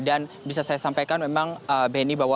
dan bisa saya sampaikan memang benny